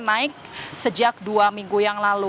naik sejak dua minggu yang lalu